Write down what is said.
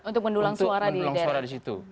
untuk mendulang suara di situ